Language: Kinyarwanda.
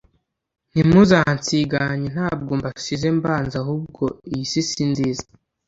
Ntimuzansiganye Ntabwo mbasize mbanze Ahubwo iyi si si nziza